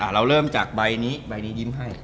เราเริ่มจากใบนี้ใบนี้ยิ้มให้